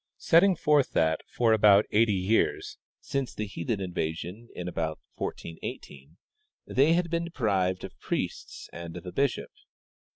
setting forth that for ahout eighty years (since' the heathen in vasion, in about 1418) they had been deprived of priests and of a bishop.